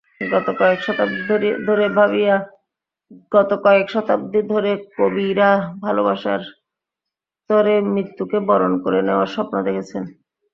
গত কয়েক শতাব্দী ধরে কবিরা ভালোবাসার তরে মৃত্যুকে বরণ করে নেওয়ার স্বপ্ন দেখেছেন!